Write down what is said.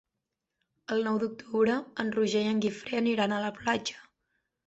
El nou d'octubre en Roger i en Guifré aniran a la platja.